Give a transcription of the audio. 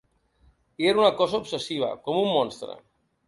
Era una cosa obsessiva, com un monstre.